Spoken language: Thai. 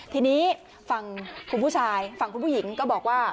ทีนี้ฝั่งคุณผู้ชายฝั่งคุณผู้หญิงก็บอกว่า